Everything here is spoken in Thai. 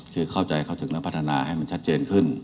คือเข้าใจเข้าถึงและพัฒนาให้มันชัดเจนขึ้น